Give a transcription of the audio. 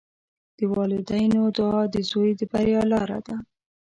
د والدینو دعا د زوی د بریا لاره ده.